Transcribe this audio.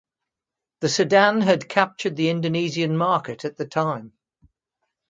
The sedan had captured the Indonesian market at the time.